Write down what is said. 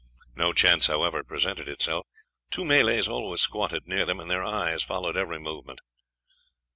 No chance, however, presented itself. Two Malays always squatted near them, and their eyes followed every movement.